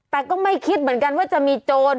แต่ก็ไม่คิดเหมือนกันว่าจะมีโจร